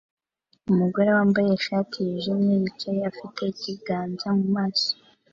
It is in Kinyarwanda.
Umugore wambaye ishati yijimye yicaye afite ikiganza mu maso